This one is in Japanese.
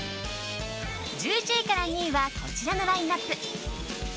１１位から２位はこちらのラインアップ。